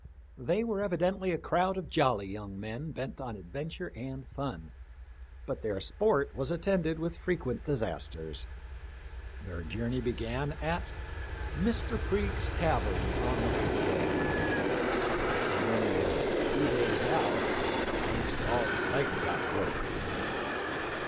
They were evidently a crowd of jolly young men bent on adventure and fun, but their sport was attended with frequent disasters. Their journey began at " Mr. Priges' tavern on the Rapidan." When only a few days out " Hanks' Dog's leg got broke."